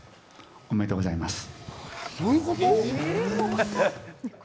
おめでとうございます。